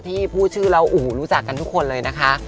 ที่ผู้ชื่อเรารู้จักกันทุกคนเลยนะคะ